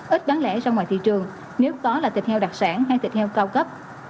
ít bán lẻ ra ngoài thị trường nếu có là thịt heo đặc sản hay thịt heo cao cấp